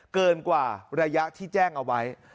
เกินกว่าระยะที่แจ้งเอาไว้